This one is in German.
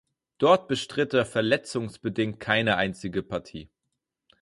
Dort bestritt er verletzungsbedingt keine einzige Partie.